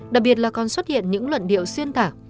đặc biệt là còn xuất hiện những luận điệu xuyên tả